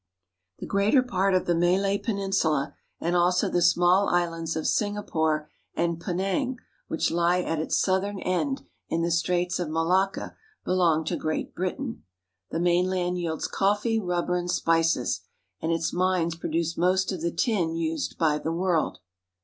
The greater part of the Malay Peninsula, and also the small islands of Singapore and Penang which lie at its southern end in the Straits of Malakka, belong to Great SINGAPORE AND THE MALAYS 205 Britain. The mainland yields coffee, rubber, and spices, and its mines produce most of the tin used by the world.